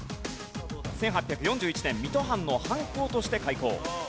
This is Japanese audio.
１８４１年水戸藩の藩校として開校。